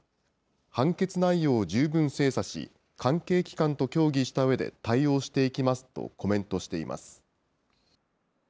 判決内容を十分精査し、関係機関と協議したうえで対応していきますとコメントしています。